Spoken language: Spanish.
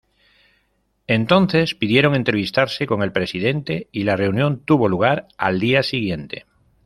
Entonces pidieron entrevistarse con el presidente y la reunión tuvo lugar al día siguiente.